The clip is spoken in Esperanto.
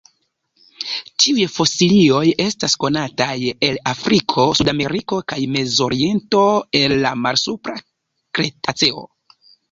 Tiuj fosilioj estas konataj el Afriko, Sudameriko, kaj Mezoriento el la Malsupra Kretaceo.